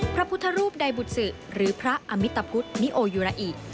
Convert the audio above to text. พระพุทธรูปใดบุษือหรือพระอมิตพุทธนิโอยูราอิ